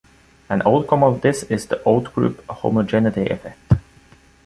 An outcome of this is the outgroup homogeneity effect.